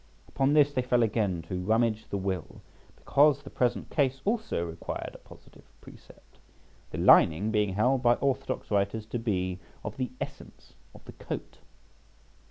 Upon this they fell again to rummage the will, because the present case also required a positive precept, the lining being held by orthodox writers to be of the essence of the coat.